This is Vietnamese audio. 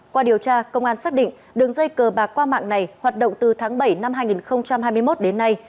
qua điều tra công an xác định đường dây cờ bạc qua mạng này hoạt động từ tháng bảy năm hai nghìn hai mươi một đến nay